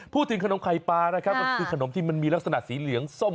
พูดถึงขนมไข่ปลานะครับมันคือขนมที่มีสีเหลืองส้ม